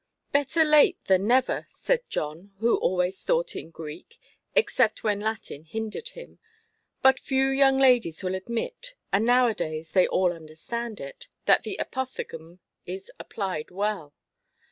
"Ὅσῳ μακρότερον, τόσῳ μακάρτερον", said John, who always thought in Greek, except when Latin hindered him; but few young ladies will admit—and now–a–days they all understand it—that the apophthegm is applied well.